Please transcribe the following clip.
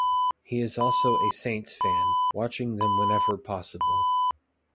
He is also a Saints fan, watching them whenever possible.